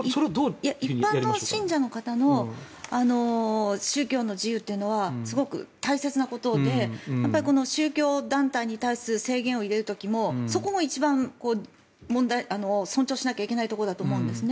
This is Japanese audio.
一般の信者の方の宗教の自由というのはすごく大切なことで宗教団体に対する制限を入れる時もそこも一番尊重しないといけないところだと思うんです。